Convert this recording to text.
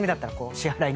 支払いに？